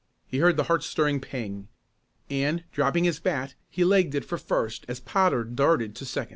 He heard the heart stirring ping! and, dropping his bat, he legged it for first as Potter darted to second.